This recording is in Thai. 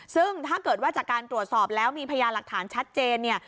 ซึ่งถ้าเกิดว่าจากการตรวจสอบแล้วมีพยานหลักฐานชัดเจนเนี่ย